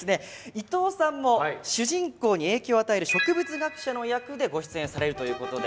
いとうさんも主人公に影響を与える植物学者の役でご出演されるということで。